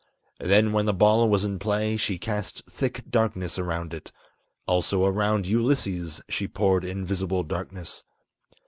Then when the ball was in play, she cast thick darkness around it. Also around Ulysses she poured invisible darkness.